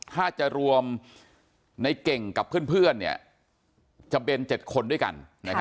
ถ้าจะรวมในเก่งกับเพื่อนจะเป็น๗คนด้วยกัน